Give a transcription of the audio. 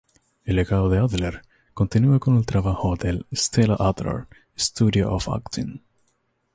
El legado de Adler continúa con el trabajo del Stella Adler Studio of Acting.